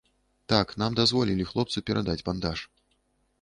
Так, нам дазволілі хлопцу перадаць бандаж.